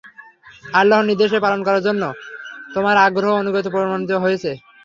আল্লাহর নির্দেশ পালন করার জন্যে তোমার আগ্রহ ও আনুগত্য প্রমাণিত হয়েছে।